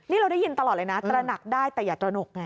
นี่เราได้ยินตลอดเลยนะตระหนักได้แต่อย่าตระหนกไง